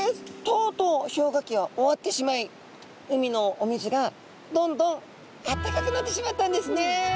とうとう氷河期は終わってしまい海のお水がどんどんあったかくなってしまったんですね。